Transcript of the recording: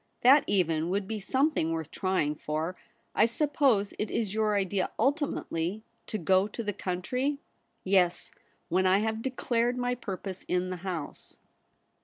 That even would be something worth trying for. I suppose it is your idea ultimately to go to the country.' ' Yes, when I have declared my purpose in the House.'